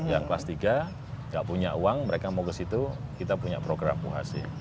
yang kelas tiga nggak punya uang mereka mau ke situ kita punya program uhc